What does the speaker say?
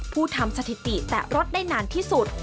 ผู้ทำสถิติแตะรถได้นานที่สุด